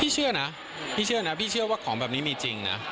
เชื่อนะพี่เชื่อนะพี่เชื่อว่าของแบบนี้มีจริงนะ